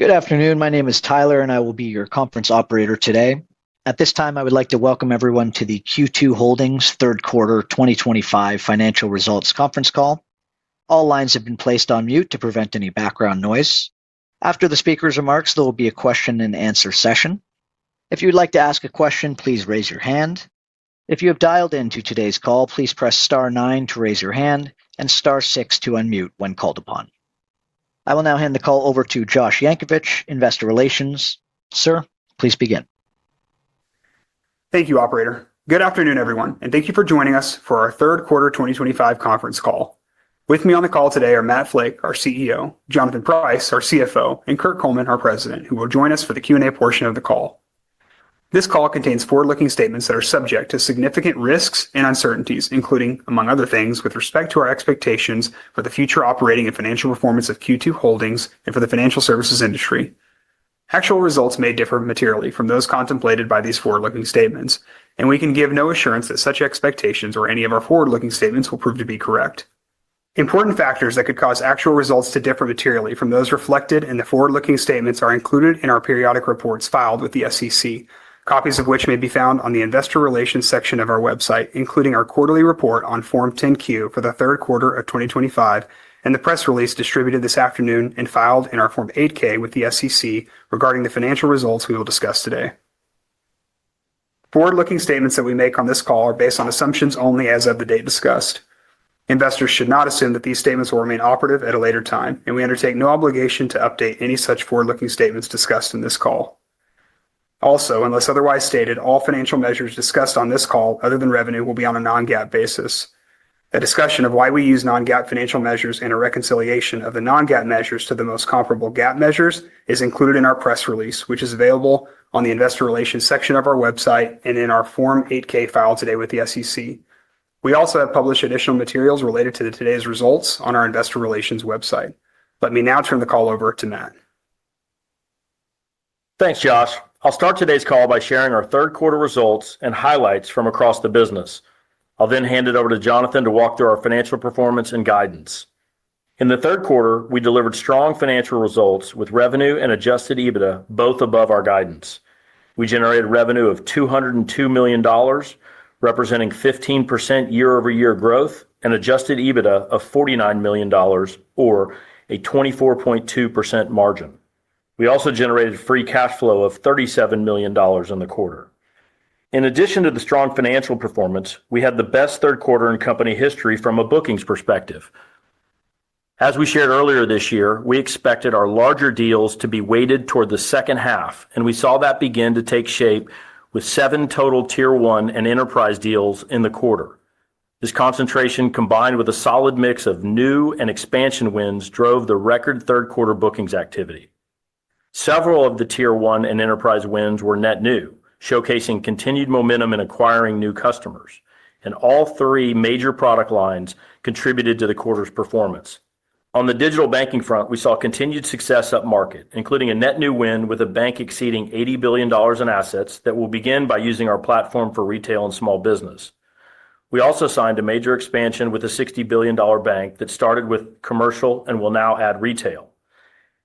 Good afternoon, my name is Tyler and I will be your conference operator today. At this time I would like to welcome everyone to the Q2 Holdings third quarter 2025 financial results conference call. All lines have been placed on mute to prevent any background noise. After the speaker's remarks, there will be a question and answer session. If you'd like to ask a question, please raise your hand. If you have dialed into today's call, please press star nine to raise your hand and star six to unmute when called upon. I will now hand the call over to Josh Yankovich, Investor Relations. Sir, please begin. Thank you, operator. Good afternoon everyone and thank you for joining us for our third quarter 2025 conference call. With me on the call today are Matt Flake, our CEO, Jonathan Price, our CFO, and Kirk Coleman, our President, who will join us for the Q&A portion of the call. This call contains forward-looking statements that are subject to significant risks and uncertainties, including, among other things, with respect to our expectations for the future operating and financial performance of Q2 Holdings and for services industry. Actual results may differ materially from those contemplated by these forward-looking statements and we can give no assurance that such expectations or any of our forward-looking statements will prove to be correct. Important factors that could cause actual results to differ materially from those reflected in the forward looking statements are included in our periodic reports filed with the SEC, copies of which may be found on the investor relations section of our website, including our quarterly report on Form 10-Q for the third quarter of 2025 and the press release distributed this afternoon and filed in our Form 8-K with the SEC regarding the financial results we will discuss today. Forward looking statements that we make on this call are based on assumptions only as of the date discussed. Investors should not assume that these statements will remain operative at a later time and we undertake no obligation to update any such forward looking statements discussed in this call. Also, unless otherwise stated, all financial measures discussed on this call, other than revenue, will be on a non-GAAP basis. A discussion of why we use non-GAAP financial measures and a reconciliation of the non-GAAP measures to the most comparable GAAP measures is included in our press release, which is available on the Investor Relations section of our website and in our Form 8-K filed today with the SEC. We also have published additional materials related to today's results on our investor relations website. Let me now turn the call over to Matt. Thanks, Josh. I'll start today's call by sharing our third quarter results and highlights from across the business. I'll then hand it over to Jonathan to walk through our financial performance and guidance. In the third quarter, we delivered strong financial results with revenue and Adjusted EBITDA both above our guidance. We generated revenue of $202 million representing 15% year-over-year growth and Adjusted EBITDA of $49 million or a 24.2% margin. We also generated free cash flow of $37 million in the quarter. In addition to the strong financial performance, we had the best third quarter in company history from a bookings perspective. As we shared earlier this year, we expected our larger deals to be weighted toward the second half and we saw that begin to take shape with seven total Tier 1 and Enterprise deals in the quarter. This concentration, combined with a solid mix of new and expansion wins, drove the record third quarter bookings activity. Several of the Tier 1 and Enterprise wins were net new, showcasing continued momentum in acquiring new customers, and all three major product lines contributed to the quarter's performance. On the digital banking front, we saw continued success upmarket, including a net new win with a bank exceeding $80 billion in assets that will begin by using our platform for retail and small business. We also signed a major expansion with a $60 billion bank that started with Commercial and will now add Retail.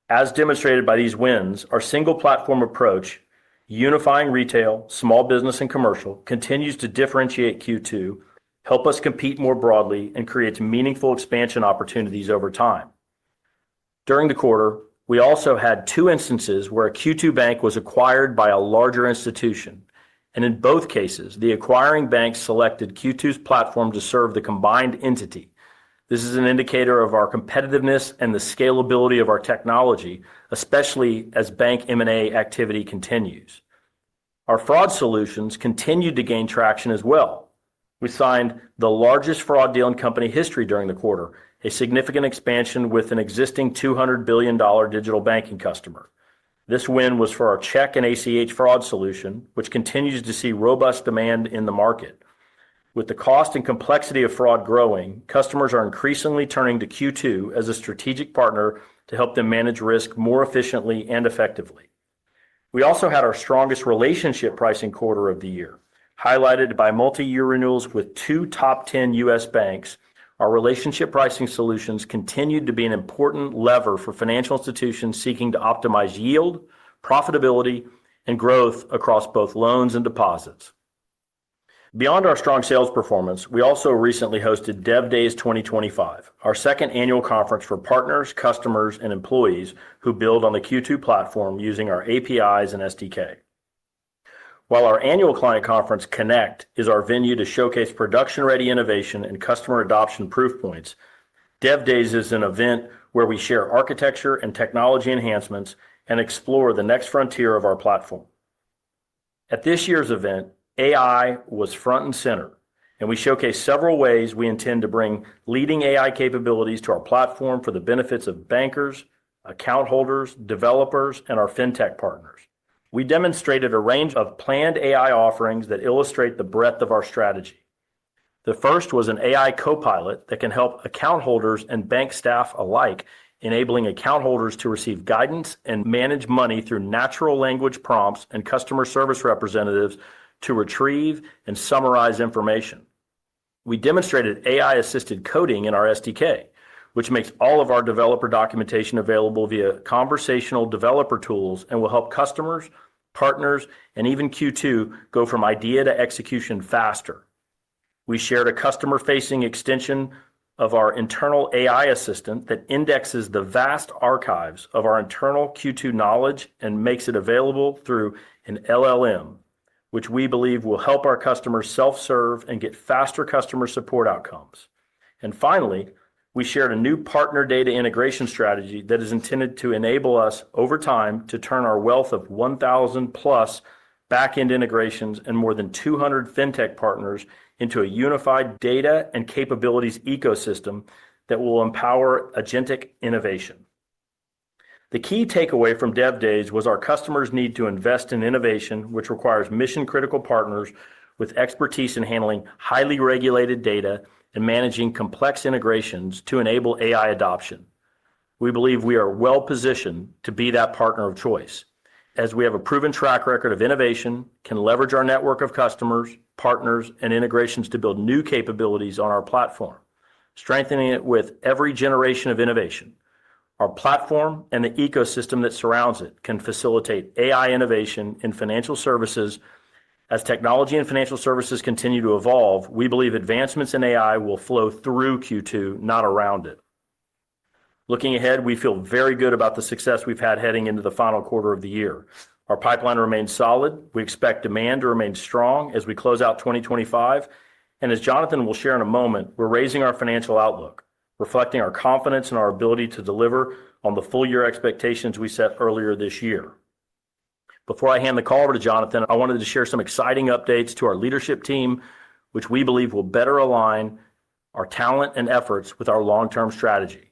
As demonstrated by these wins, our single platform approach unifying retail, small business, and commercial continues to differentiate Q2, help us compete more broadly, and creates meaningful expansion opportunities over time. During the quarter we also had two instances where a Q2 bank was acquired by a larger institution and in both cases the acquiring bank selected Q2's platform to serve the combined entity. This is an indicator of our competitiveness and the scalability of our technology, especially as bank M&A activity continues. Our fraud solutions continued to gain traction as well. We signed the largest fraud deal in company history during the quarter, a significant expansion with an existing $200 billion digital banking customer. This win was for our Check and ACH Fraud Solution which continues to see robust demand in the market. With the cost and complexity of fraud growing, customers are increasingly turning to Q2 as a strategic partner to help them manage risk more efficiently and effectively. We also had our strongest relationship pricing quarter of the year, highlighted by multi-year renewals with two top 10 U.S. banks. Our Relationship pricing solutions continued to be an important lever for financial institutions seeking to optimize yield, profitability, and growth across both loans and deposits. Beyond our strong sales performance, we also recently hosted Dev Days 2025, our second annual conference for partners, customers, and employees who build on the Q2 platform using our APIs and SDK. While our annual client conference Connect is our venue to showcase production-ready innovation and customer adoption proof points, Dev Days is an event where we share architecture and technology enhancements and explore the next frontier of our platform. At this year's event, AI was front and center and we showcased several ways we intend to bring leading AI capabilities to our platform for the benefits of bankers, account holders, developers and our fintech partners. We demonstrated a range of planned AI offerings that illustrate the breadth of our strategy. The first was an AI Co-Pilot that can help account holders and bank staff alike, enabling account holders to receive guidance and manage money through natural language prompts and customer service representatives to retrieve and summarize information. We demonstrated AI-assisted coding in our SDK which makes all of our developer documentation available via conversational developer tools and will help customers, partners and even Q2 go from idea to execution faster. We shared a customer-facing extension of our internal AI assistant that indexes the vast archives of our internal Q2 knowledge and makes it available through an LLM, which we believe will help our customers self-serve and get faster customer support outcomes. Finally, we shared a new partner data integration strategy that is intended to enable us over time to turn our wealth of 1,000+ backend integrations and more than 200 FinTech partners into a unified data and capabilities ecosystem that will empower agentic innovation. The key takeaway from Dev Days was our customers need to invest in innovation, which requires mission-critical partners with expertise in handling highly regulated data and managing complex integrations to enable AI adoption. We believe we are well positioned to be that partner of choice as we have a proven track record of innovation, can leverage our network of customers, partners and integrations to build new capabilities on our platform, strengthening it with every generation of innovation. Our platform and the ecosystem that surrounds it can facilitate AI innovation in financial services. As technology and financial services continue to evolve, we believe advancements in AI will flow through Q2, not around it. Looking ahead, we feel very good about the success we've had heading into the final quarter of the year. Our pipeline remains solid. We expect demand to remain strong as we close out 2025 and expect, and as Jonathan will share in a moment, we're raising our financial outlook, reflecting our confidence in our ability to deliver on the full year expectations we set earlier this year. Before I hand the call over to Jonathan, I wanted to share some exciting updates to our leadership team which we believe will better align our talent and efforts with our long-term strategy.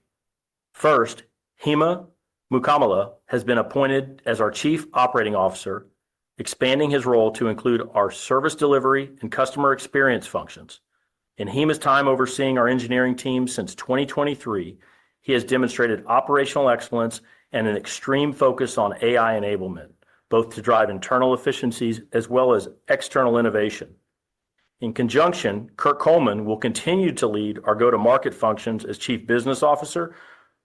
First, Hima Mukkamala has been appointed as our Chief Operating Officer, expanding his role to include our service delivery and customer experience functions. In Hima's time overseeing our engineering team since 2023, he has demonstrated operational excellence and an extreme focus on AI enablement, both to drive internal efficiencies as well as external innovation. In conjunction, Kirk Coleman will continue to lead our go-to-market functions as Chief Business Officer,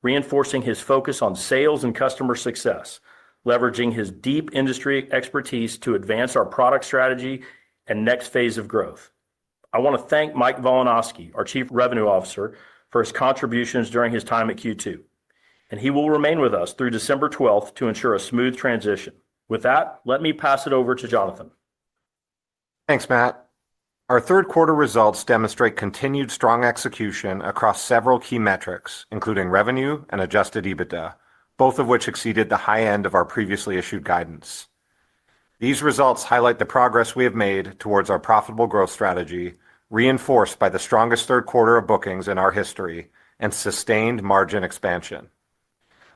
reinforcing his focus on sales and customer success, leveraging his deep industry expertise to advance our product strategy and next phase of growth. I want to thank Mike Volanoski, our Chief Revenue Officer, for his contributions during his time at Q2 and he will remain with us through December 12th to ensure a smooth transition. With that, let me pass it over to Jonathan. Thanks Matt. Our third quarter results demonstrate continued strong execution across several key metrics including revenue and Adjusted EBITDA, both of which exceeded the high end of our previously issued guidance. These results highlight the progress we have made towards our profitable growth strategy, reinforced by the strongest third quarter of bookings in our history and sustained margin expansion.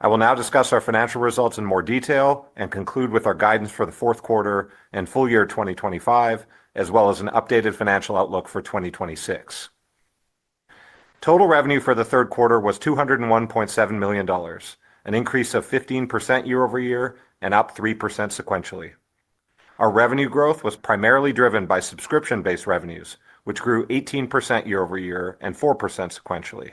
I will now discuss our financial results in more detail and conclude with our guidance for the fourth quarter and full year 2025 as well as an updated financial outlook for 2026. Total revenue for the third quarter was $201.7 million, an increase of 15% year over year and up 3% sequentially. Our revenue growth was primarily driven by subscription based revenues which grew 18% year over year and 4% sequentially.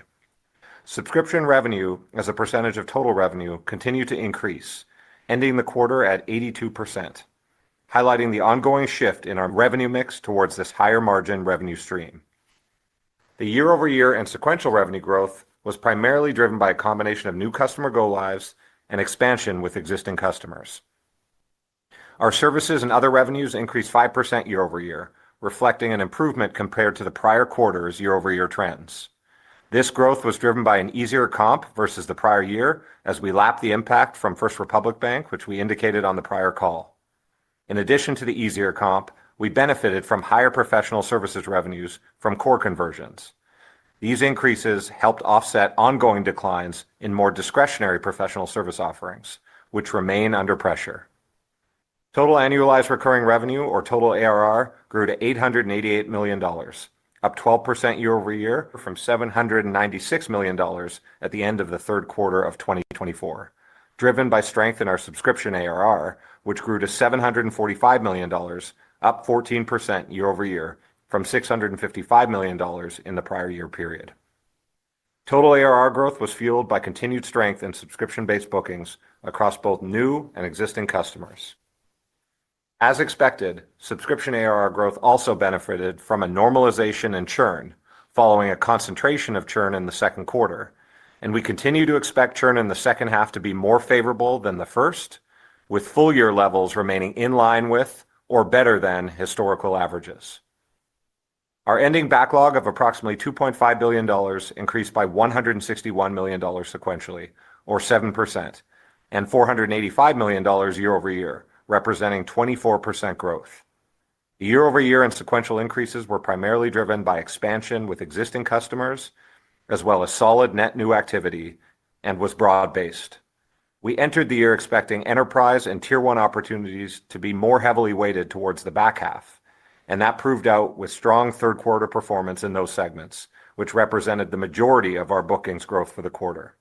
Subscription revenue as a percentage of total revenue continued to increase, ending the quarter at 82%, highlighting the ongoing shift in our revenue mix towards this higher margin revenue stream. The year over year and sequential revenue growth was primarily driven by a combination of new customer go lives and expansion with existing customers. Our services and other revenues increased 5% year over year, reflecting an improvement compared to the prior quarter's year over year trends. This growth was driven by an easier comp versus the prior year as we lapped the impact from First Republic Bank which we indicated on the prior call. In addition to the easier comp, we benefited from higher professional services revenues from core conversions. These increases helped offset ongoing declines in more discretionary professional service offerings which remain under pressure. Total Annualized Recurring Revenue or total ARR grew to $888 million, up 12% year over year from $796 million at the end of the third quarter of 2024, driven by strength in our subscription arrangement which grew to $745 million, up 14% year over year from $655 million in the prior year period. Total ARR growth was fueled by continued strength in subscription based bookings across both new and existing customers. As expected, Subscription ARR growth also benefited from a normalization in churn following a concentration of churn in the second quarter and we continue to expect churn in the second half to be more favorable than the first with full year levels remaining in line with or better than historical averages. Our ending backlog of approximately $2.5 billion increased by $161 million sequentially or 7% and $485 million year over year, representing 24% growth year over year, and sequential increases were primarily driven by expansion with existing customers as well as solid net new activity and was broad based. We entered the year expecting Enterprise and Tier 1 opportunities to be more heavily weighted towards the back half, and that proved out with strong third quarter performance in those segments, which represented the majority of our bookings growth for the quarter,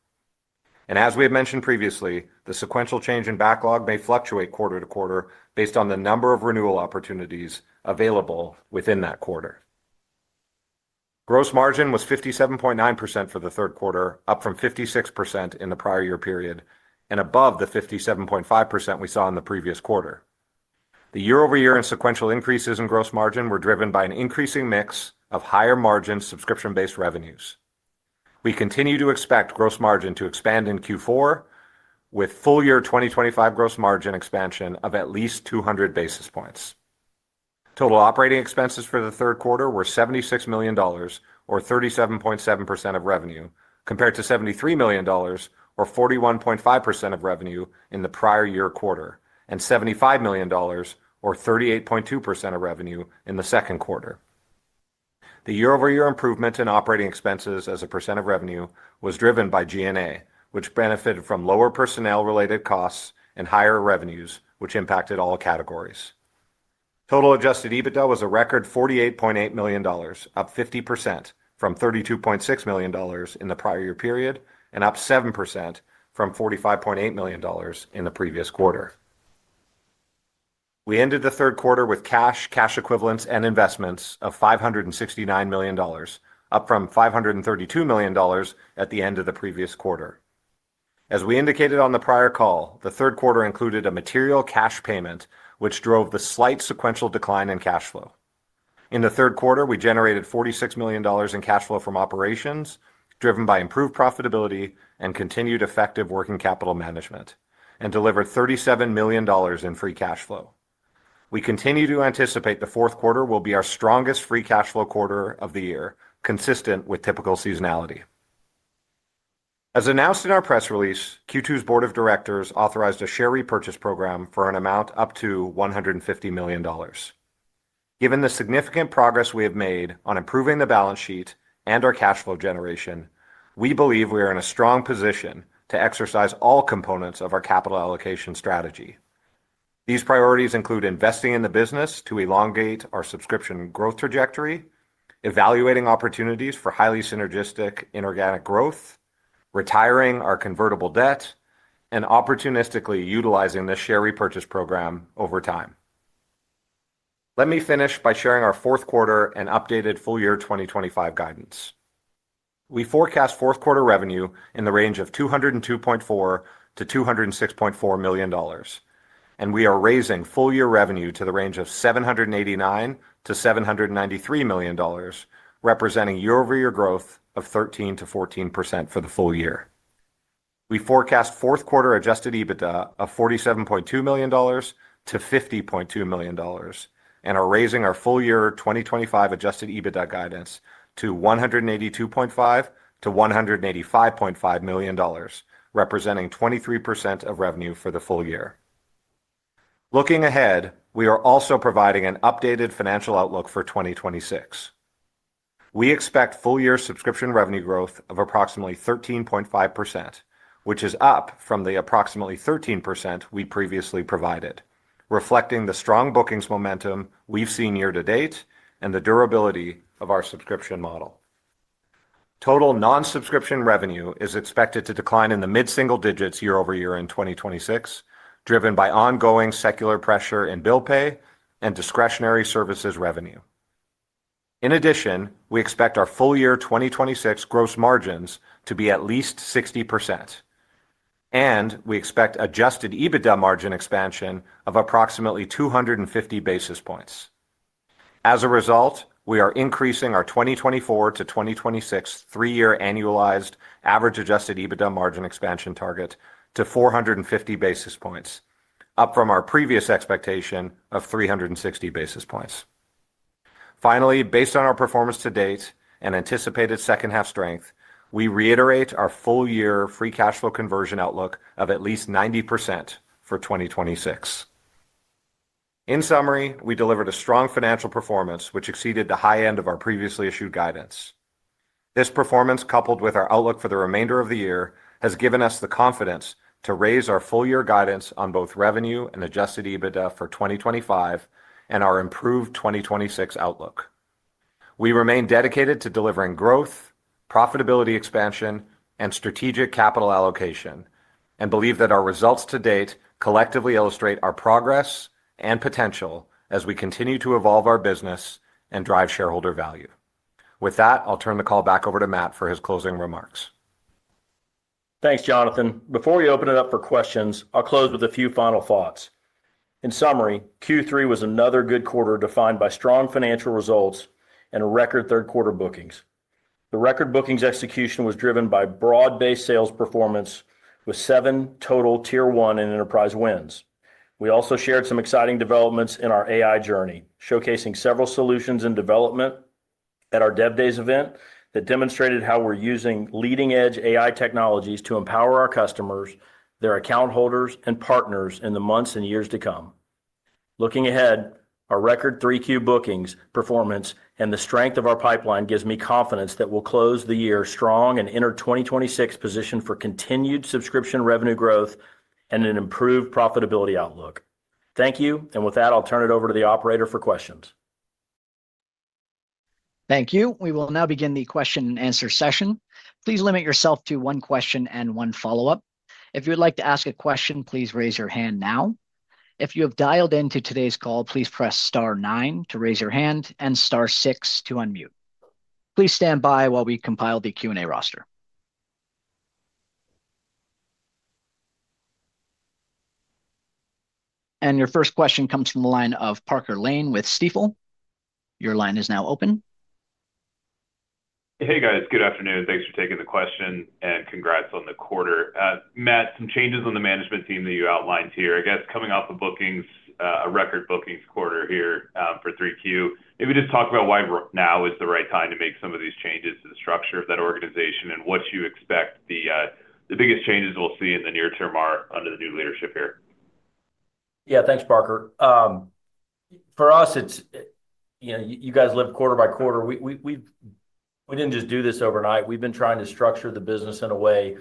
and as we have mentioned previously, the sequential change in backlog may fluctuate quarter to quarter based on the number of renewal opportunities available within that quarter. Gross margin was 57.9% for the third quarter, up from 56% in the prior year period and above the 57.5% we saw in the previous quarter. The year over year and sequential increases in gross margin were driven by an increasing mix of higher margin subscription based revenues. We continue to expect gross margin to expand in Q4 with full year 2025 gross margin expansion of at least 200 basis points. Total operating expenses for the third quarter were $76 million or 37.7% of revenue compared to $73 million or 41.5% of revenue in the prior year quarter and $75 million or 38.2% of revenue in the second quarter. The year over year improvement in operating expenses as a percent of revenue was driven by G&A which benefited from lower personnel related costs and higher revenues which impacted all categories. Total Adjusted EBITDA was a record $48.8 million, up 50% from $32.6 million in the prior year period and up 7% from $45.8 million in the previous quarter. We ended the third quarter with cash, cash equivalents, and investments of $569 million, up from $532 million at the end of the previous quarter. As we indicated on the prior call, the third quarter included a material cash payment which drove the slight sequential decline in cash flow in the third quarter. We generated $46 million in cash flow from operations driven by improved profitability and continued effective working capital management and delivered $37 million in Free cash flow. We continue to anticipate the fourth quarter will be our strongest Free cash flow quarter of the year, consistent with typical seasonality. As announced in our press release, Q2's board of directors authorized a share repurchase program for an amount up to $150 million. Given the significant progress we have made on improving the balance sheet and our cash flow generation, we believe we are in a strong position to exercise all components of our capital allocation strategy. These priorities include investing in the business to elongate our subscription growth trajectory, evaluating opportunities for highly synergistic inorganic growth, retiring our convertible debt, and opportunistically utilizing this share repurchase program over time. Let me finish by sharing our fourth quarter and updated full year 2025 guidance. We forecast fourth quarter revenue in the range of $202.4 million-$206.4 million and we are raising full year revenue to the range of $789 million-$793 million representing year over year growth of 13%-14% for the full year. We forecast fourth quarter Adjusted EBITDA of $47.2 million-$50.2 million and are raising our full year 2025 Adjusted EBITDA guidance to $182.5 million-$185.5 million, representing 23% of revenue for the full year. Looking ahead, we are also providing an updated financial outlook for 2026. We expect full year subscription revenue growth of approximately 13.5%, which is up from the approximately 13% we previously provided, reflecting the strong bookings momentum we've seen year to date and the durability of our subscription model. Total non-subscription revenue is expected to decline in the mid single digits year over year in 2026, driven by ongoing secular pressure in bill pay and discretionary services revenue. In addition, we expect our full year 2026 gross margins to be at least 60%, and we expect Adjusted EBITDA margin expansion of approximately 250 basis points. As a result, we are increasing our 2024-2026 three year annualized average Adjusted EBITDA margin expansion target to 450 basis points, up from our previous expectation of 360 basis points. Finally, based on our performance to date and anticipated second half strength, we reiterate our full year free cash flow conversion outlook of at least 90% for 2026. In summary, we delivered a strong financial performance which exceeded the high end of our previously issued guidance. This performance, coupled with our outlook for the remainder of the year, has given us the confidence to raise our full year guidance on both revenue and Adjusted EBITDA for 2025 and our improved 2026 outlook. We remain dedicated to delivering growth, profitability expansion, and strategic capital allocation and believe that our results to date collectively illustrate our progress and potential as we continue to evolve our business and drive shareholder value. With that, I'll turn the call back over to Matt for his closing remarks. Thanks, Jonathan. Before we open it up for questions, I'll close with a few final thoughts. In summary, Q3 was another good quarter defined by strong financial results and record third quarter bookings. The record bookings execution was driven by broad-based sales performance with seven total Tier 1 and Enterprise wins. We also shared some exciting developments in our AI journey, showcasing several solutions in development at our Dev Days event that demonstrated how we're using leading-edge AI technologies to empower our customers, their account holders, and partners in the months and years to come. Looking ahead, our record Q3 bookings performance and the strength of our pipeline gives me confidence that we'll close the year strong and enter 2026 positioned for continued subscription revenue growth and an improved profitability outlook. Thank you. With that, I'll turn it over to the operator for questions. Thank you. We will now begin the question and answer session. Please limit yourself to one question and one follow up. If you would like to ask a question, please raise your hand. Now, if you have dialed into today's call, please press star nine to raise your hand and star six to unmute. Please stand by while we compile the Q&A roster. Your first question comes from the line of Parker Lane with Stifel. Your line is now open. Hey guys, good afternoon. Thanks for taking the question and congrats on the quarter. Matt, some changes on the management team that you outlined here. I guess coming off the bookings, a record bookings quarter here for 3Q. Maybe just talk about why now is. The right time to make some of these changes to the structure of that organization and what you expect? The biggest changes we'll see in the near term are under the new leadership here. Yeah, thanks Parker. For us it's, you know, you guys live quarter by quarter. We didn't just do this overnight. We've been trying to structure the business in a way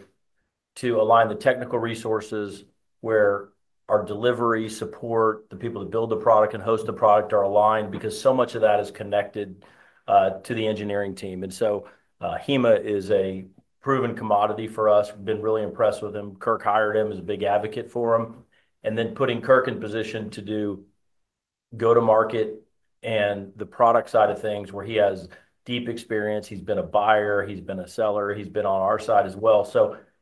to align the technical resources where our delivery support, the people that build the product and host the product are aligned because so much of that is connected to the engineering team and so Hima is a proven commodity for us. Been really impressed with him, Kirk hired him as a big advocate for him and then putting Kirk in position to do go to market and the product side of things where he has deep experience, he's been a buyer, he's been a seller, he's been on our side as well.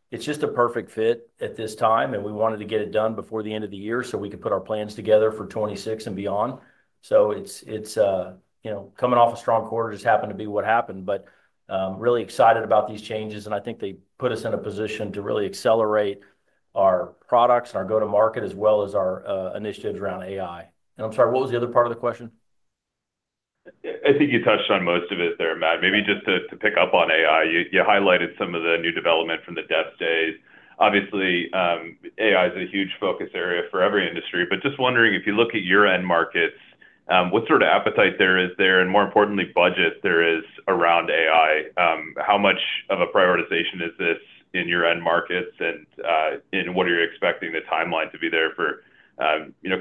It's just a perfect fit at this time and we wanted to get it done before the end of the year so we could put our plans together for 2026 and beyond. It's, you know, coming off a strong quarter, just happened to be what happened. Really excited about these changes and I think they put us in a position to really accelerate our products and our go to market as well as our initiatives around AI. I'm sorry, what was the other part of the question? I think you touched on most of it there, Matt. Maybe just to pick up on AI, you highlighted some of the new development. From the dev days. Obviously AI is a huge focus area for every industry. Just wondering if you look at your end markets, what sort of appetite. There is there, and more importantly, budget there is around AI. How much of a prioritization is this? In your end markets and what are. You expecting the timeline to be there for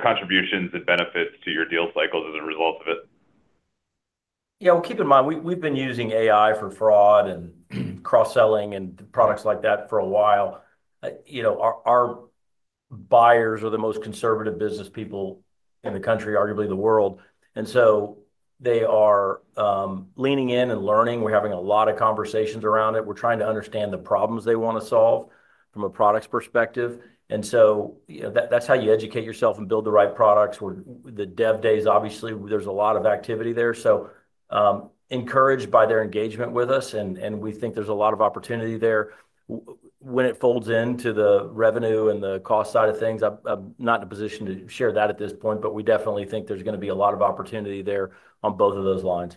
contributions and benefits to your deal. Cycles as a result of it? Yeah, keep in mind we've been using AI for fraud and cross selling and products like that for a while. Our buyers are the most conservative business people in the country, arguably the world. They are leaning in and learning. We're having a lot of conversations around it. We're trying to understand the problems they want to solve from a product's perspective. You know, that's how you educate yourself and build the right products. The Dev Days, obviously there's a lot of activity there. Encouraged by their engagement with us, and we think there's a lot of opportunity there when it folds into the revenue and the cost side of things. I'm not in a position to share that at this point, but we definitely think there's going to be a lot of opportunity there on both of those lines.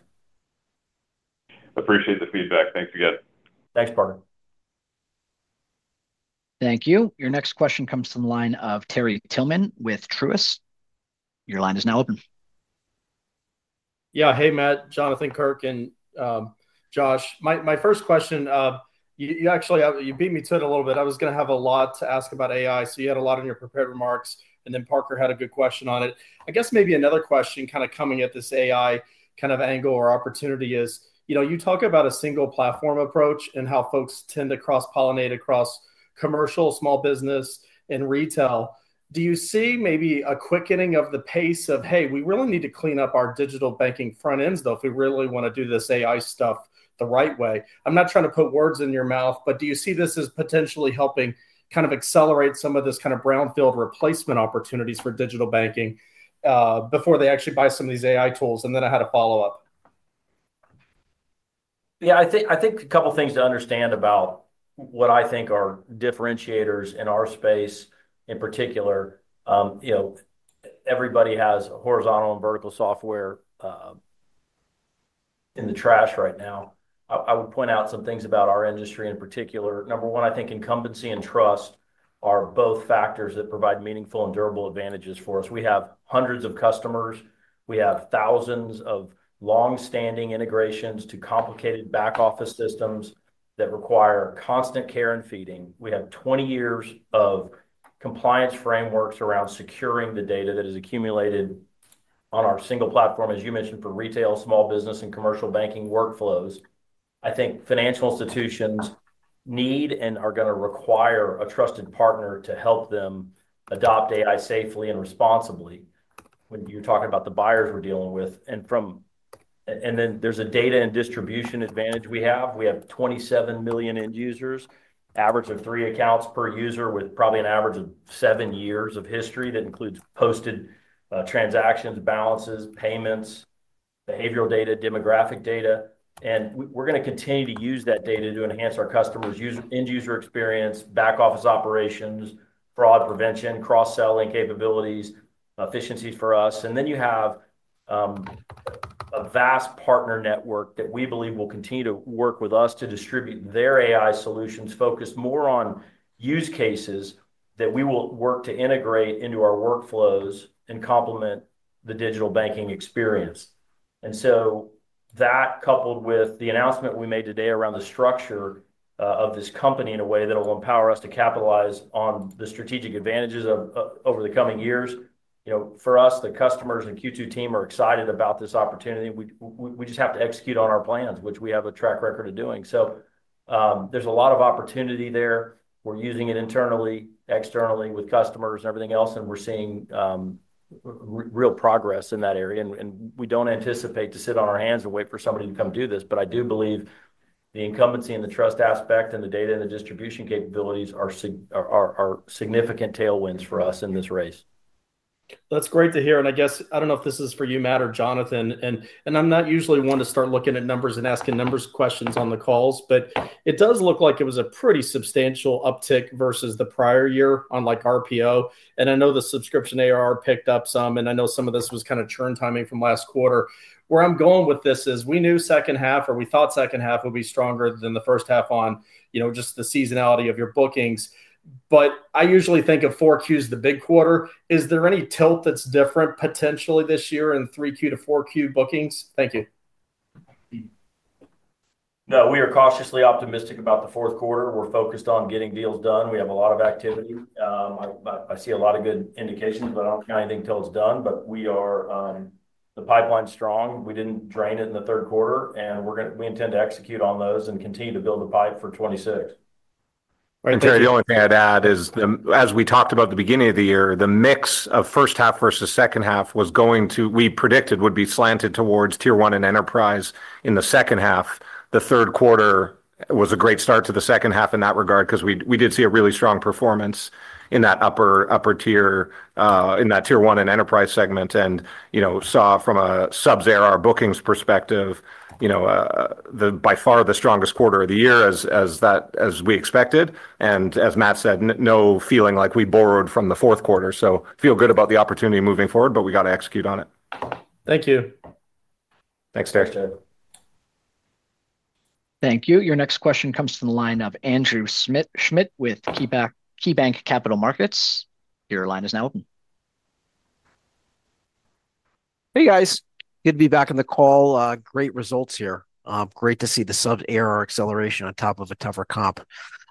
Appreciate the feedback. Thanks again. Thanks, Parker. Thank you. Your next question comes to the line of Terry Tillman with Truist. Your line is now open. Yeah. Hey Matt, Jonathan, Kirk, and Josh, my first question, you actually beat me to it a little bit. I was going to have a lot to ask about AI. You had a lot in your. Prepared remarks and then Parker had a good question on it. I guess maybe another question kind of coming at this AI kind of angle or opportunity is, you know, you talk about a single platform approach and how folks tend to cross pollinate across commercial, small business and retail. Do you see maybe a quickening of the pace of hey, we really need to clean up our digital banking front ends though if we really want to do this AI stuff the right way? I'm not trying to put words in your mouth, but do you see this as potentially helping kind of accelerate some of this kind of brownfield replacement opportunities. For digital banking before they actually buy. Some of these AI tools?I had a follow up. Yeah, I think a couple things to understand about what I think are differentiators in our space in particular. You know, everybody has horizontal and vertical software in the trash right now. I would point out some things about our industry in particular. Number one, I think incumbency and trust are both factors that provide meaningful and durable advantages for us. We have hundreds of customers, we have thousands of long standing integrations to complicated back office systems that require constant care and feeding. We have 20 years of compliance frameworks around securing the data that is accumulated on our single platform. As you mentioned, for retail, small business and commercial banking workflows, I think financial institutions need and are going to require a trusted partner to help them adopt AI safely and responsibly. When you're talking about the buyers we're dealing with and from. There is a data and distribution advantage we have. We have 27 million end users, average of three accounts per user with probably an average of seven years of history. That includes posted transactions, balances, payments, behavioral data, demographic data. We are going to continue to use that data to enhance our customers, user, end user experience, back office operations, fraud prevention, cross selling capabilities, efficiencies for us. You have a vast partner network that we believe will continue to work with us to distribute their AI solutions, focus more on use cases that we will work to integrate into our workflows and complement the digital banking experience. That, coupled with the announcement we made today around the structure of this company in a way that will empower us to capitalize on the strategic advantages over the coming years. You know, for us, the customers and Q2 team are excited about this opportunity. We just have to execute on our plans, which we have a track record of doing. There is a lot of opportunity there. We're using it internally, externally, with customers and everything else, and we're seeing real progress in that area. We do not anticipate to sit on our hands and wait for somebody to come do this. I do believe the incumbency and the trust aspect and the data and the distribution capabilities are significant tailwinds for us in this race. That's great to hear and I guess I don't know if this is for you Matt or Jonathan and I'm not usually one to start looking at numbers and asking numbers questions on the calls but it does look like it was a pretty substantial uptick versus the prior year on like RPO. And I know the Subscription ARR picked up some and I know some of this was kind of churn timing from last quarter. Where I'm going with this is we knew second half or we thought second half would be stronger than the first half on you know just the seasonality of your bookings but I usually think of 4Q as the big quarter. Is there any tilt that's different potentially this year in 3Q to 4Q bookings? Thank you. No, we are cautiously optimistic about the fourth quarter. We're focused on getting deals done. We have a lot of activity. I see a lot of good indications but I do not think till it is done. We are, the pipeline is strong. We did not drain it in the third quarter and we are gonna, we intend to execute on those and continue to build the pipe for 2026. Right. The only thing I'd add is as we talked about at the beginning of the year, the mix of first half versus second half was going to, we predicted, would be slanted towards Tier 1 and Enterprise in the second half. The third quarter was a great start to the second half in that regard because we did see a really strong performance in that upper tier, in that Tier 1 and Enterprise segment, and you know, saw from a subs ARR bookings perspective, you know, by far the strongest quarter of the year as we expected and as Matt said, no feeling like we borrowed from the fourth quarter. Feel good about the opportunity moving forward, but we got to execute on it. Thank you. Thanks, Terry. Thank you. Your next question comes from the line of Andrew Schmidt with KeyBanc Capital Markets. Your line is now open. Hey guys, good to be back on the call. Great results here. Great to see the sub ARR acceleration on top of a tougher comp.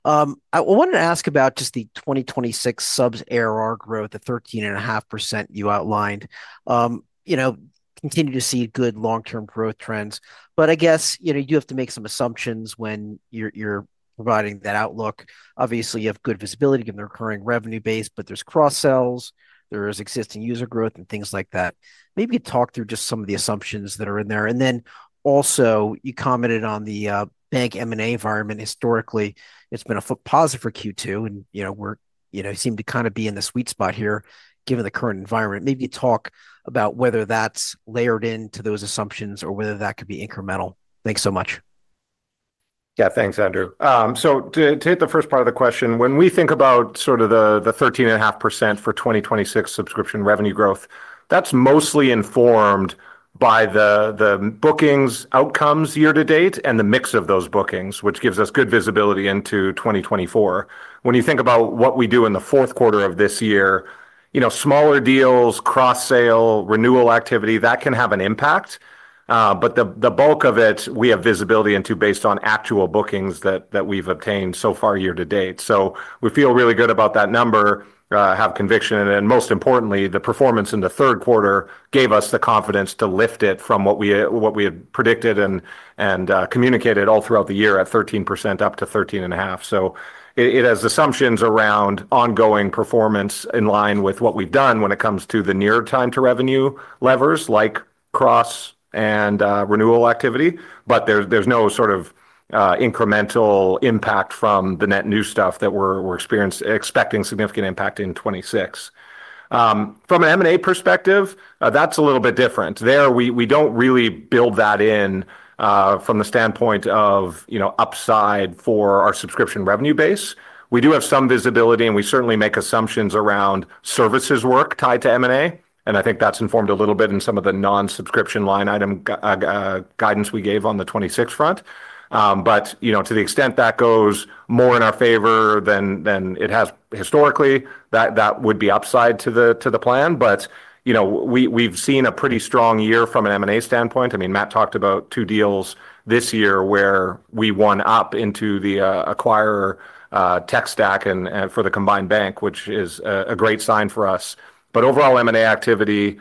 I wanted to ask about just the 2026 subs ARR, the 13.5% percent you outlined. You know, continue to see good long term growth trends, but I guess you know you have to make some assumptions when you're providing that outlook. Obviously, you have good visibility given the recurring revenue base, but there's cross sells, there is existing user growth and things like that. Maybe talk through just some of the assumptions that are in there. You also commented on the bank M&A environment. Historically, it's been a positive for Q2 and you know, we seem to kind of be in the sweet spot here, you know, given the current environment. Maybe you talk about whether that's layered in to those assumptions or whether that could be incremental. Thanks so much. Yeah, thanks Andrew. To hit the first part of the question, when we think about sort of the 13.5% for 2026 subscription revenue growth, that's mostly informed by the bookings outcomes year to date and the mix of those bookings, which gives us good visibility into 2024. When you think about what we do in the fourth quarter of this year, you know, smaller deals, cross-sale renewal activity, that can have an impact, but the bulk of it we have visibility into based on actual bookings that we've obtained so far year to date. We feel really good about that number, have conviction, and most importantly, the performance in the third quarter gave us the confidence to lift it from what we had predicted and communicated all throughout the year at 13% up to 13.5%. It has assumptions around ongoing performance in line with what we've done when it comes to the near time to revenue levers like cross and renewal activity. There is no sort of incremental impact from the net new stuff that we're expecting significant impact in 2026 from an M&A perspective. That is a little bit different there. We do not really build that in from the standpoint of upside for our subscription revenue base. We do have some visibility and we certainly make assumptions around services work tied to M&A, and I think that is informed a little bit in some of the non-subscription line item guidance we gave on the 2026 front. You know, to the extent that goes more in our favor than it has historically, that would be upside to the plan. You know, we've seen a pretty strong year from an M&A standpoint. I mean, Matt talked about two deals this year where we won up into the acquirer tech stack and for the combined bank, which is a great sign for us. Overall, M&A activity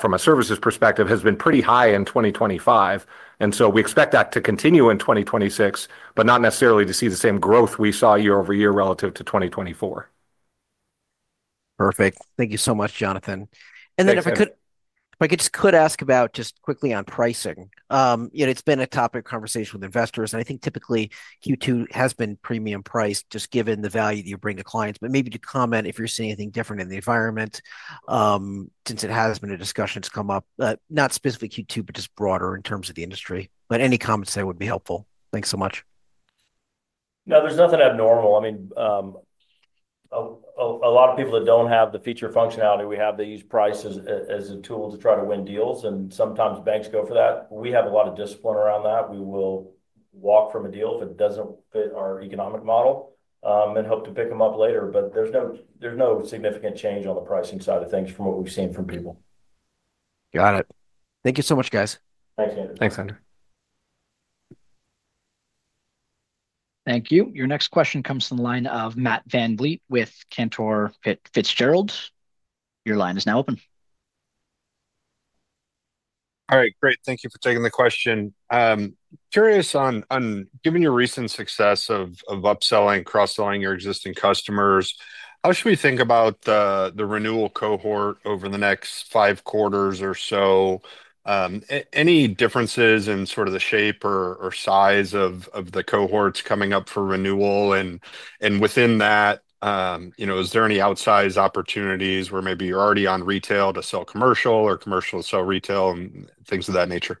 from a services perspective has been pretty high in 2025, and we expect that to continue in 2026, but not necessarily to see the same growth we saw year over year relative to 2024. Perfect. Thank you so much, Jonathan. If I could just ask about, just quickly on pricing, you know, it's been a topic of conversation with investors and I think typically Q2 has been premium priced just given the value that you bring to clients. Maybe comment if you're seeing anything different in the environment, since it has been a discussion to come up, not specifically Q2, but just broader in terms of the industry. Any comments there would be helpful. Thanks so much. No, there's nothing abnormal. I mean, a lot of people that don't have the feature functionality we have, they use price as a tool to try to win deals and sometimes banks go for that. We have a lot of discipline around that. We will walk from a deal if it doesn't fit our economic model and hope to pick them up later. There is no, there is no significant change on the pricing side of things from what we've seen from people. Got it. Thank you so much, guys. Thanks, Andrew. Thanks, Andrew. Thank you. Your next question comes from the line of Matt VanVliet with Cantor Fitzgerald. Your line is now open. All right, great. Thank you for taking the question. Curious on, given your recent success of upselling, cross selling your existing customers, how should we think about the renewal cohort over the next five quarters or so? Any differences in sort of the shape or size of the cohorts coming up for renewal? And within that, you know, is there any outsize opportunities where maybe you're already on retail to sell commercial or commercial sell retail and things of that nature?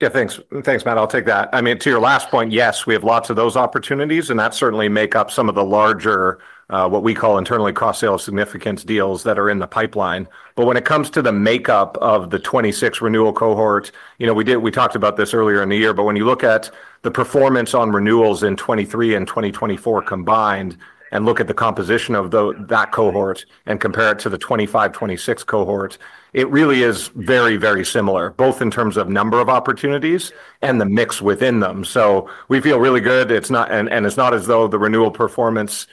Yeah, thanks. Thanks, Matt. I'll take that. I mean, to your last point, yes, we have lots of those opportunities and that certainly make up some of the larger, what we call internally, cross sales significance deals that are in the pipeline. When it comes to the makeup of the 2026 renewal cohort, you know, we did, we talked about this earlier in the year, but when you look at the performance on renewals in 2023 and 2024 combined and look at the composition of that cohort and compare it to the 2025, 2026 cohort, it really is very, very similar both in terms of number of opportunities and the mix within them. We feel really good. It's not, and it's not as though the renewal performance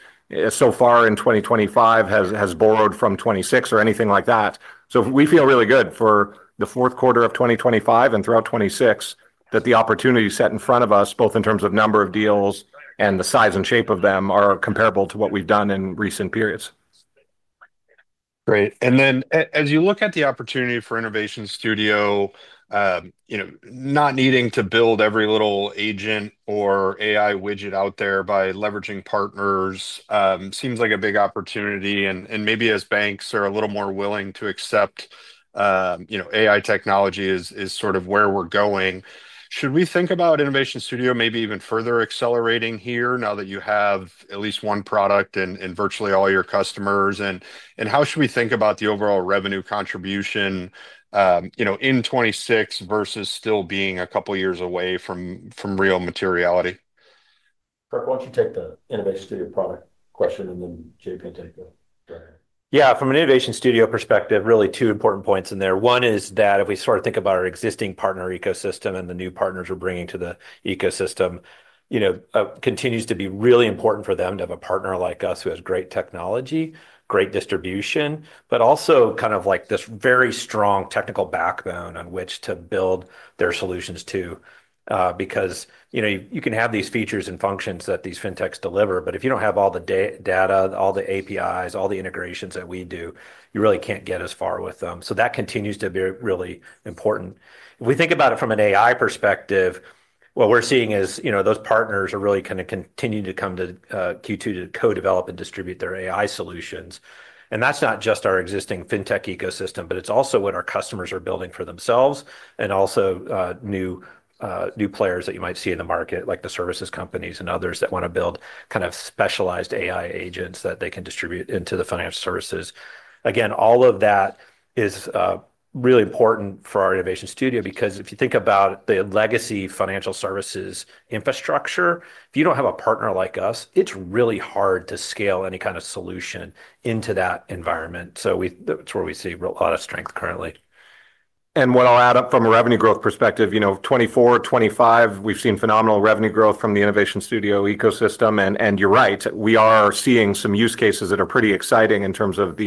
so far in 2025 has borrowed from 2026 or anything like that. We feel really good for the fourth quarter of 2025 and throughout 2026, that the opportunity set in front of us both in terms of number of deals and the size and shape of them are comparable to what we've done in recent periods. Great. As you look at the opportunity for Innovation Studio, you know, not needing to build every little agent or a widget out there by leveraging partners seems like a big opportunity. Maybe as banks are a little more willing to accept, you know, AI technology is sort of where we're going. Should we think about Innovation Studio maybe even further accelerating here now that you have at least one product in virtually all your customers? How should we think about the overall revenue contribution, you know, in 2026 versus still being a couple years away from real materiality? Kirk, why don't you take the Innovation Studio product question and then. JP, yeah, from an Innovation Studio perspective, really two important points in there. One is that if we sort of think about our existing partner ecosystem and the new partners we're bringing to the ecosystem, you know, continues to be really. Important for them to have a partner. Like us who has great technology, great distribution, but also kind of like this very strong technical backbone on which to build their solutions to. Because you know, you can have these features and functions that these fintechs deliver, but if you don't have all the data, all the APIs, all the integrations that we do, you really can't get as far with them. That continues to be really important. If we think about it from an AI perspective, what we're seeing is, you know, those partners are really kind of continuing to come to Q2 to co develop and distribute their AI solutions. That's not just our existing fintech. Ecosystem, but it's also what our customers are building for themselves and also new players that you might see in. The market, like the services companies and. Others that want to build kind of specialized AI agents that they can distribute into the financial services. Again, all of that is really important for our Innovation Studio because if you think about the legacy financial services infrastructure. If you don't have a partner like. Us, it's really hard to scale any kind of solution into that environment. That's where we see a lot of strength currently. What I'll add from a revenue growth perspective, you know, 2024, 2025, we've seen phenomenal revenue growth from the Innovation Studio ecosystem. You're right, we are seeing some use cases that are pretty exciting in terms of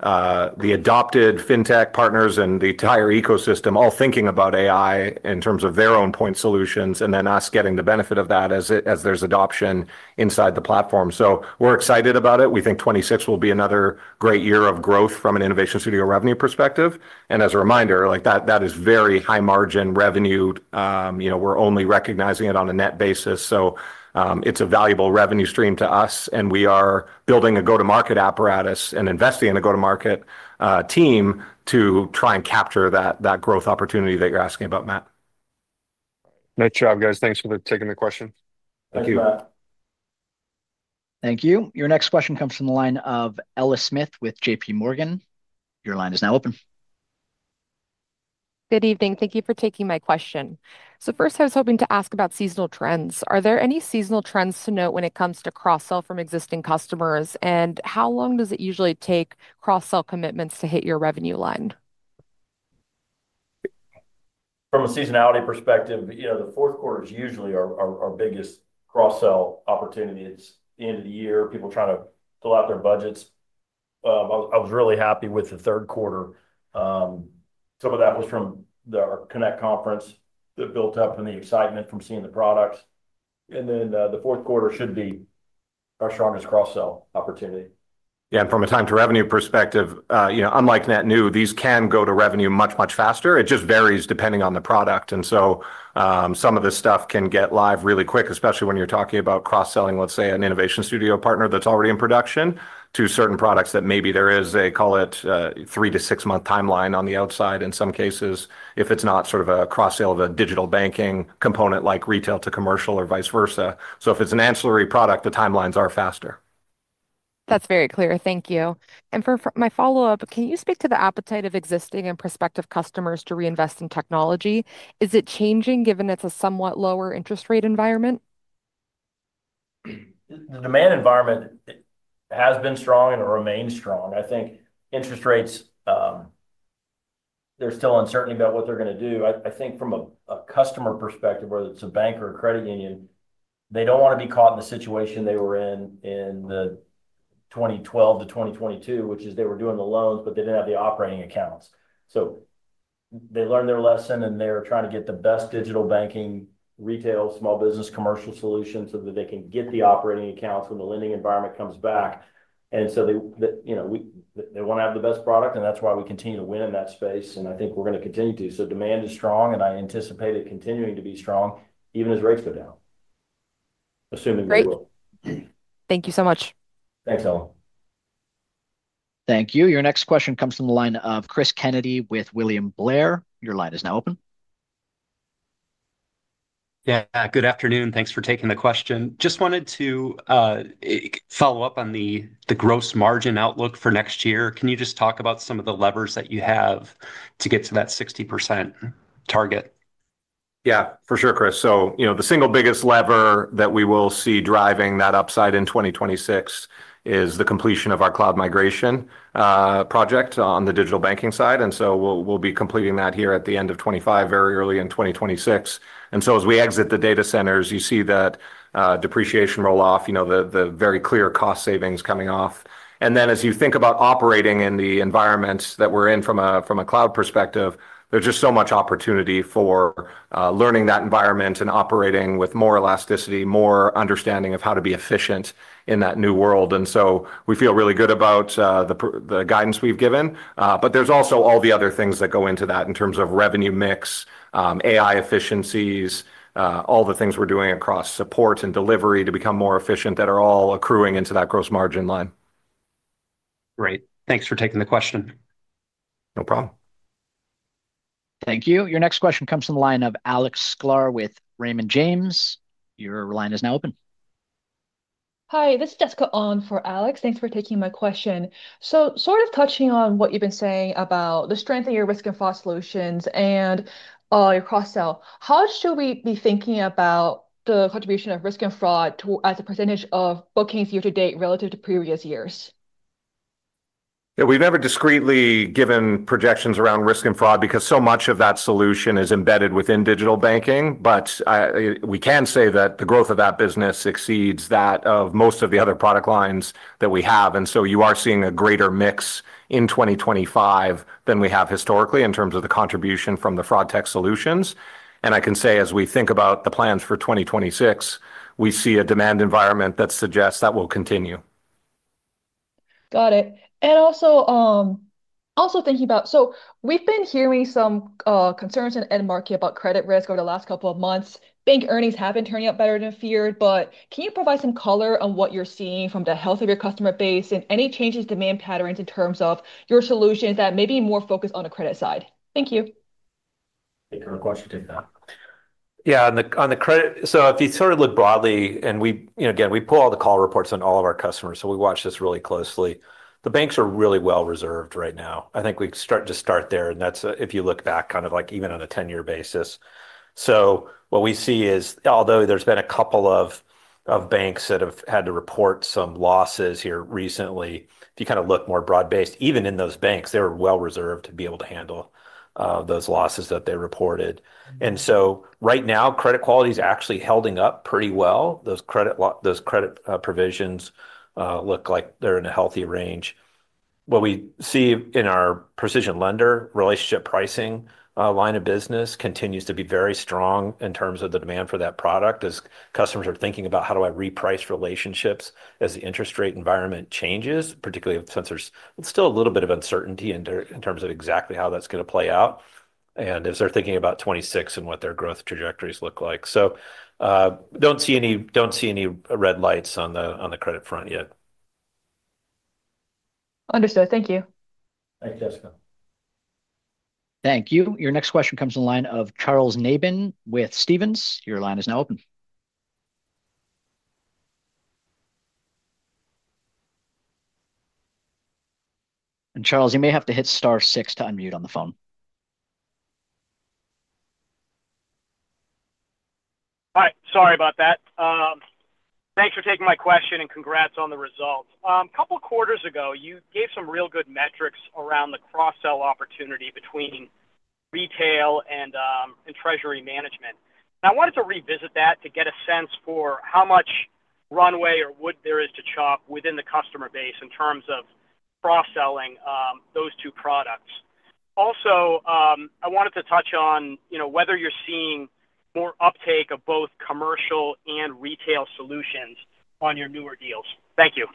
the adopted fintech partners and the entire ecosystem all thinking about AI in terms of their own point solutions and then us getting the benefit of that as there's adoption inside the platform. We're excited about it. We think 2026 will be another great year of growth from an Innovation Studio revenue perspective. As a reminder, that is very high margin revenue. You know, we're only recognizing it on a net basis. It is a valuable revenue stream to us and we are building a go to market apparatus and investing in a go to market team to try and capture that growth opportunity that you are asking about. Matt, nice job guys. Thanks for taking the question. Thank you. Thank you. Your next question comes from the line of Ella Smith with JPMorgan. Your line is now open. Good evening. Thank you for taking my question. First I was hoping to ask about seasonal trends. Are there any seasonal trends to note when it comes to cross sell from existing customers? How long does it usually take cross sell commitments to hit your revenue line? From a seasonality perspective? You know, the fourth quarter is usually our biggest cross sell opportunity. It's the end of the year, people trying to fill out their budgets. I was really happy with the third quarter. Some of that was from the Connect conference that built up and the excitement from seeing the products. And then the fourth quarter should be our strongest cross sell opportunity. Yeah. From a time to revenue perspective, you know, unlike net new, these can go to revenue much, much faster. It just varies depending on the product. Some of this stuff can get live really quick, especially when you're talking about cross selling, let's say an Innovation Studio partner that's already in production to certain products that maybe there is a, call it, three- to six-month timeline on the outside in some cases, if it's not sort of a cross sale of a Digital Banking component like retail to commercial or vice versa. If it's an ancillary product, the timelines are faster. That's very clear. Thank you. For my follow up, can you speak to the appetite of existing and prospective customers to reinvest in technology? Is it changing given it's a somewhat lower interest rate environment? The demand environment has been strong and remains strong. I think interest rates, there's still uncertainty about what they're going to do. I think from a customer perspective, whether it's a bank or a credit union, they don't want to be caught in the situation they were in in 2012-2022, which is they were doing the loans but they didn't have the operating accounts. So they learned their lesson and they're trying to get the best digital banking, retail, small business, commercial solutions so that they can get the operating accounts when the lending environment comes back. They want to have the best product and that's why we continue to win in that space. I think we're going to continue to, so demand is strong and I anticipate it continuing to be strong even as rates go down, assuming they will. Thank you so much. Thanks, Ella. Thank you. Your next question comes from the line of Chris Kennedy with William Blair. Your line is now open. Yeah, good afternoon. Thanks for taking the question. Just wanted to follow up on the gross margin outlook for next year. Can you just talk about some of. The levers that you have to get. To that 60% target? Yeah, for sure, Chris. So, you know, the single biggest lever that we will see driving that upside in 2026 is the completion of our cloud migration project on the digital banking side. And so we'll be completing that here at the end of 2025, very early in 2026. And so as we exit the data centers, you see that depreciation roll off, you know, the very clear cost savings coming off. And then as you think about operating in the environments that we're in from a, from a cloud perspective, there's just so much opportunity for learning that environment and operating with more elasticity, more understanding of how to be efficient in that new world. And so we feel really good about the guidance we've given. There is also all the other things that go into that in terms of revenue mix, AI efficiencies, all the things we're doing across support and delivery to become more efficient that are all accruing into that gross margin line. Great, thanks for taking the question. No problem. Thank you. Your next question comes from the line of Alex Sklar with Raymond James. Your line is now open. Hi, this is Jessica on for Alex. Thanks for taking my question. Sort of touching on what you've. Been saying about the strength of your risk and fraud solutions and your cross sell. How should we be thinking about the contribution of risk and fraud as a percentage of bookings year to date relative to previous years? Yeah, we've never discreetly given projections around risk and fraud because so much of that solution is embedded within digital banking. We can say that the, that business exceeds that of most of the other product lines that we have. You are seeing a greater mix in 2025 than we have historically in terms of the contribution from the fraud tech solutions. I can say as we think about the plans for 2026, we see a demand environment that suggests that will continue. Got it. Also thinking about. We've been hearing some concerns in ED market about credit risk. Over the last couple of months, bank. Earnings have been turning up better than feared. Can you provide some color on what you're seeing from the health of your customer base and any changes, demand patterns in terms of your solutions that may be more focused on the credit side? Thank you. Yeah, on the credit. If you sort of look broadly and we, you know, again we pull all the call reports on all of our customers. You know, we watch this really closely. The banks are really well reserved right now. I think we start to start there and that's if you look back kind of like even on a 10 year basis. What we see is although there's. Been a couple of banks that have. Had to report some losses here recently, if you kind of look more broad based even in those banks, they were well reserved to be able to handle those losses that they reported. Right now credit quality is actually holding up pretty well. Those credit provisions look like they're in a healthy range. What we see in our PrecisionLender relationship pricing line of business continues to be very strong in terms of the demand for that product. As customers are thinking about how do I reprice relationships as the interest rate environment changes, particularly since there's still a little bit of uncertainty in terms of exactly how that's going to play out and as they're thinking about 2026 and. What their growth trajectories look like. do not see any red lights on the credit front yet. Understood. Thank you. Thanks, Jessica. Thank you. Your next question comes in line of Charles Nabhan with Stevens. Your line is now open. Charles, you may have to hit star six to unmute on the phone. All right. Sorry about that. Thanks for taking my question and congrats on the results. A couple quarters ago you gave some real good metrics around the cross sell opportunity between retail and treasury management. I wanted to revisit that to get a sense for how much runway or wood there is to chop within the customer base in terms of cross selling those two products. Also, I wanted to touch on whether you're seeing more uptake of both commercial and retail solutions on your newer deals. Thank you.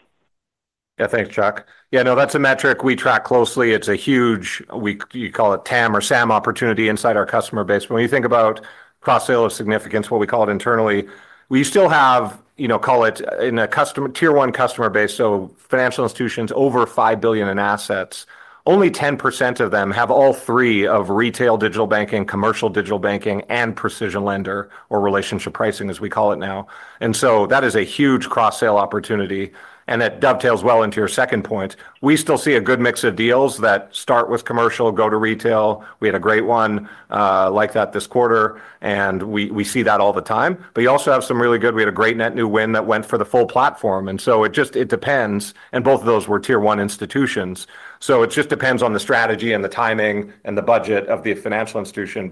Yeah, thanks, Charles. Yeah, no, that's a metric we track closely. It's a huge, we, you call it TAM or SAM opportunity inside our customer base. But when you think about cross-sale of significance, what we call it internally, we still have, you know, call it in a customer, Tier 1 customer base. So financial institutions over $5 billion in assets, only 10% of them have all three of retail digital banking, commercial digital banking, and PrecisionLender or relationship pricing as we call it now. That is a huge cross-sale opportunity. That dovetails well into your second point. We still see a good mix of deals that start with commercial, go to retail. We had a great one like that this quarter, and we, we see that all the time. You also have some really good. We had a great net new win that went for the full platform. It just depends, and both of those were Tier 1 institutions. It just depends on the strategy and the timing and the budget of the financial institution.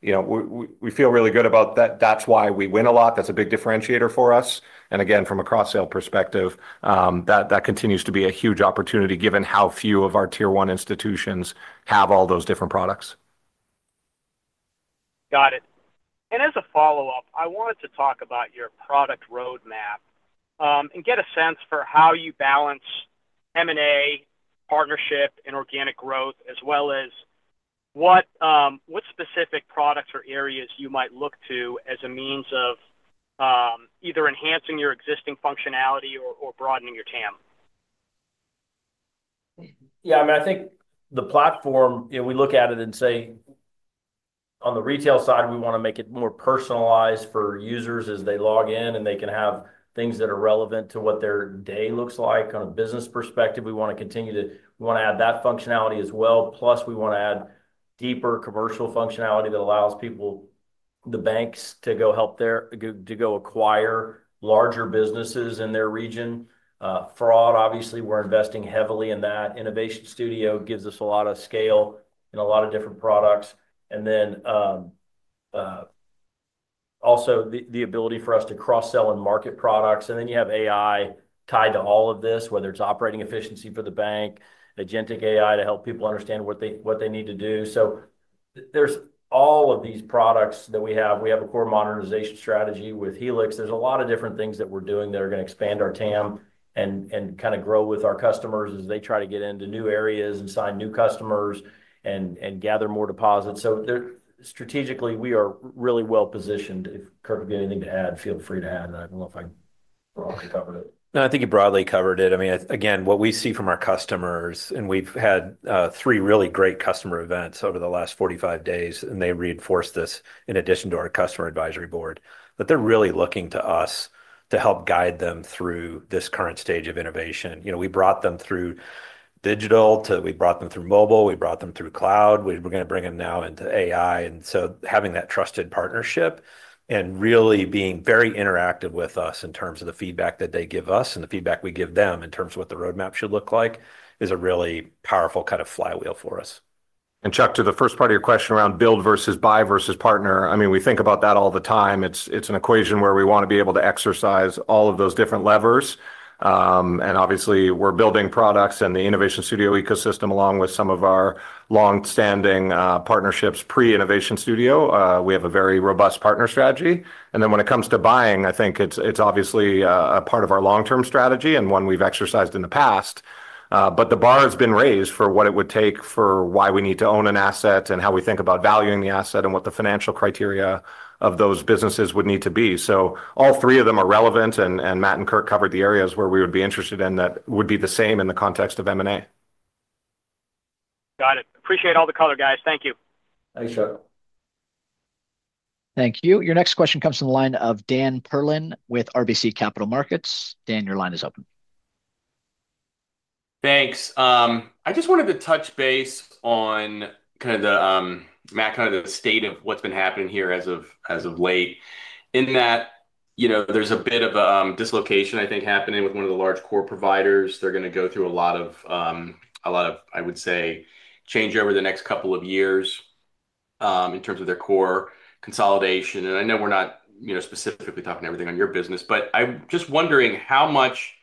You know, we feel really good about that. That is why we win a lot. That is a big differentiator for us. Again, from a cross sale perspective, that continues to be a huge opportunity given how few of our Tier 1 institutions have all those different products. Got it. As a follow up I wanted. To talk about your product roadmap and get a sense for how you balance. M&A partnership and organic growth as well as what, what specific products or areas you might look to as a means of either enhancing your existing functionality or broadening your TAM. Yeah, I mean I think the platform, we look at it and say on the retail side we want to make it more personalized for users as they log in and they can have things that are relevant to what their day looks like. On a business perspective we want to continue to, we want to add that functionality as well. Plus we want to add deeper commercial functionality that allows people, the banks to go help their, to go acquire larger businesses in their region. Fraud, obviously we're investing heavily in that. Innovation Studio gives us a lot of scale in a lot of different products and then also the ability for us to cross sell and market products. You have AI tied to all of this, whether it's operating efficiency for the bank, Agentic AI to help people understand what they need to do. There are all of these products that we have. We have a core modernization strategy with Helix. There are a lot of different things that we're doing that are going to expand our TAM and kind of grow with our customers as they try to get into new areas and sign new customers and gather more deposits. Strategically, we are really well positioned. If Kirk, if you have anything to add, feel free to add. I don't know if I covered it? No, I think you broadly covered it. I mean, again, what we see from our customers and we've had three really great customer events over the last 45 days and they reinforced this in addition to our customer advisory board that they're really looking to us to help guide them through this current stage of innovation. You know, we brought them through digital to, we brought them through mobile, we brought them through cloud. We're going to bring them now into AI. And so having that trusted partnership and really being very interactive with us in terms of the feedback that they give us and the feedback we give them in terms of what the roadmap should look like is a really powerful kind of flywheel for us. To the first part of your question around build versus buy versus partner, I mean, we think about that all the time. It's an equation where we want to be able to exercise all of those different levers and obviously we're building products and the Innovation Studio ecosystem along with some of our long standing partnerships. Pre Innovation Studio, we have a very robust partner strategy. When it comes to buying, I think it's obviously a part of our long term strategy and one we've exercised in the past. The bar has been raised for what it would take for why we need to own an asset and how we think about valuing the asset and what the financial criteria of those businesses would need to be. All three of them are relevant. Matt and Kirk covered the areas where we would be interested in that would be the same in the context of M&A. Got it. Appreciate all the color, guys. Thank you. Thanks, Charles. Thank you. Your next question comes from the line of Dan Perlin with RBC Capital Markets. Dan, your line is open. Thanks.I just wanted to touch base on kind of the, Matt, kind of the. State of what's been happening here as of late in that, you know, there's a bit of dislocation, I think, happening with one of the large core providers. They're going to go through a lot. Of, a lot of, I would say, change over the next couple of years in terms of their core consolidation. I know we're not, you know, specifically talking everything on your business, but I'm just wondering how much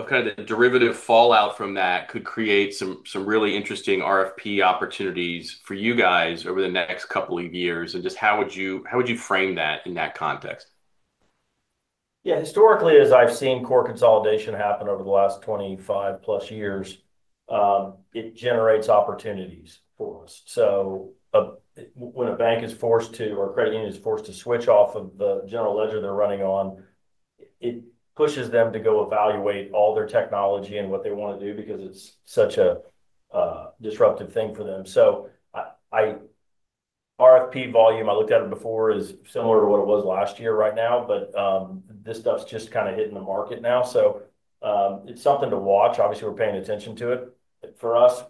of, kind of the derivative fallout from that could create some, some really interesting RFP opportunities for you guys over the next couple of years. Just how would you, how would. You frame that in that context? Yeah, historically, as I've seen core consolidation happen over the last 25+ years, it generates opportunities for us. When a bank is forced to, or credit union is forced to switch off of the general ledger they're running on, it pushes them to go evaluate all their technology and what they want to do because it's such a disruptive thing for them. RFP volume, I looked at it before, is similar to what it was last year right now. This stuff's just kind of hitting the market now, so it's something to watch. Obviously we're paying attention to it. For us,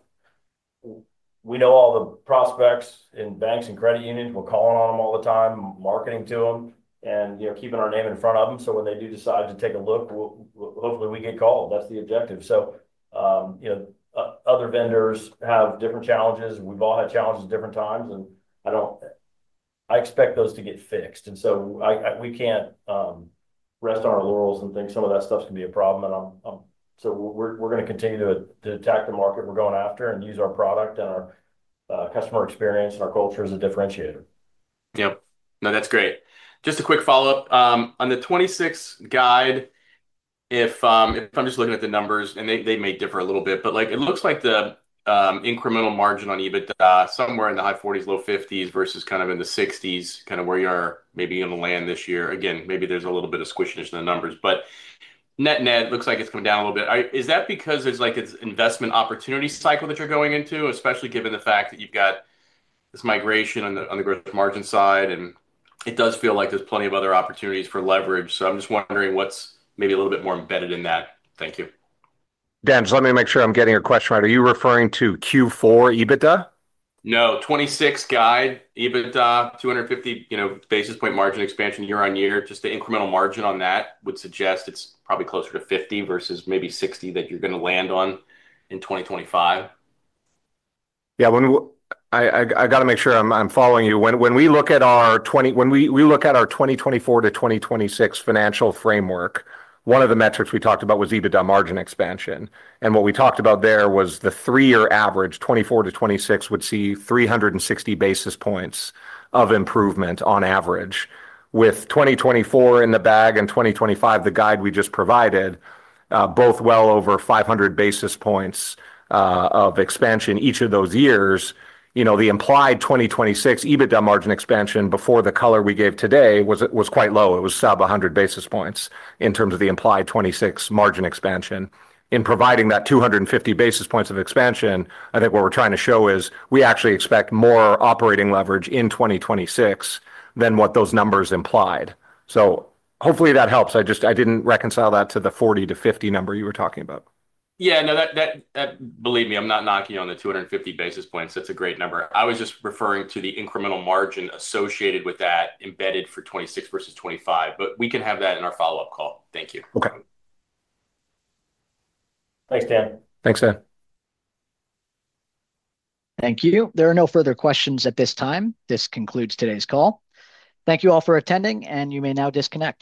we know all the prospects in banks and credit unions. We're calling on them all the time, marketing to them and, you know, keeping our name in front of them. When they do decide to take a look, hopefully we get called. That's the objective. You know, other vendors have different challenges. We've all had challenges, different times, and I expect those to get fixed. We can't rest on our laurels and think some of that stuff can be a problem. We're going to continue to attack the market we're going after and use our product and our customer experience and our culture as a differentiator. Yep. No, that's great. Just a quick follow up on the 2026 guide. If I'm just looking at the numbers and they may differ a. Little bit but like it looks like the incremental margin on EBITDA somewhere in. The high 40s-low 50s versus kind. Of in the 60s, kind of where. You are maybe in the land this. Year again, maybe there's a little bit of squishiness in the numbers, but net net looks like it's coming down a little bit. Is that because it's like it's investment opportunity cycle that you're going into, especially given the fact that you've got this. Migration on the, on the gross margin. Side and it does feel like there's plenty of other opportunities for leverage. I'm just wondering what's maybe a little bit more embedded in that. Thank you, Dan. So let me make sure I'm getting the question right. Are you referring to Q4 EBITDA? No. 2026 guide, EBITDA 250 basis point margin expansion year on year. Just the incremental margin on that would suggest it's probably closer to 50% versus maybe 60% that you're going to land on in 2025. Yeah, I got to make sure I'm following you. When we look at our 2024-2026 financial framework, one of the metrics we talked about was EBITDA margin expansion. What we talked about there was the three-year average. 2024 to 2026 would see 360 basis points of improvement on average. With 2024 in the bag and 2025, the guide we just provided, both well over 500 basis points of expansion each of those years. You know, the implied 2026 EBITDA margin expansion before the color we gave today was quite low. It was sub 100 basis points in terms of the implied 2026 margin expansion. In providing that 250 basis points of expansion, I think what we're trying to show is we actually expect more operating leverage in 2026 than what those numbers implied. Hopefully that helps. I just, I didn't reconcile that to the 40-50 number you were talking about. Yeah, no, that, believe me, I'm not knocking on the 250 basis points. That's a great number. I was just referring to the incremental margin associated with that embedded for 2026 versus 2025. We can have that in our follow up call. Thank you. Okay. Thanks Dan. Thanks Dan. Thank you. There are no further questions at this time. This concludes today's call. Thank you all for attending and you may now disconnect.